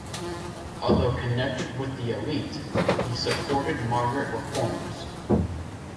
Although connected with the elite, he supported moderate reformers.